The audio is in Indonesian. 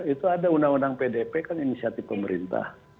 itu ada undang undang pdp kan inisiatif pemerintah